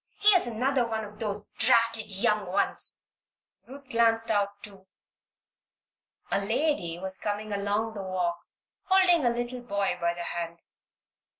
"Here's another of those dratted young ones!" Ruth glanced out, too. A lady was coming along the walk holding a little boy by the hand.